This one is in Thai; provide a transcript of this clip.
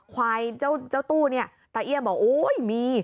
ควายเจ้าตู้เนี่ยตาเอี้ยบอกโอ๊ยมี